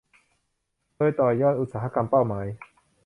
โดยต่อยอดอุตสาหกรรมเป้าหมาย